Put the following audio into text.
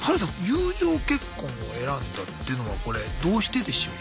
友情結婚を選んだっていうのはこれどうしてでしょう？